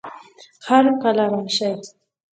هر کله راشئ